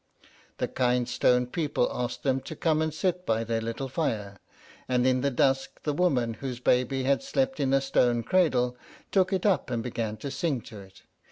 The kind stone people asked them to come and sit by their little fire; and in the dusk the woman whose baby had slept in a stone cradle took it up and began to sing to it.